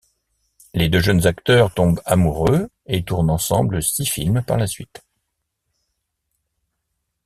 Les deux jeunes acteurs tombent amoureux et tournent ensemble six films par la suite.